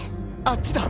あっちだ！